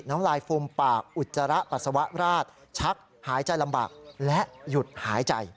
น้ำลายฟูมปากอุจจาระปัสสาวะราชชักหายใจลำบากและหยุดหายใจ